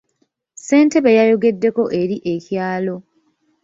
Ssentebe yayogeddeko eri ekyalo.